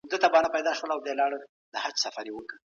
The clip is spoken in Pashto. د ارغنداب سیند څخه د اوبو سپموونکي سیستمونه جوړ سوي دي.